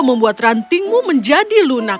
membuat rantingmu menjadi lunak